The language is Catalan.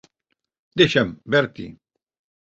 Deixa'm, Bertie.